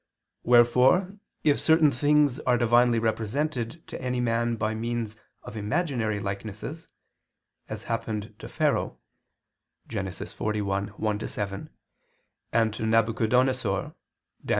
Wherefore if certain things are divinely represented to any man by means of imaginary likenesses, as happened to Pharaoh (Gen. 41:1 7) and to Nabuchodonosor (Dan.